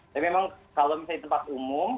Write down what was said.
tapi memang kalau misalnya di tempat umum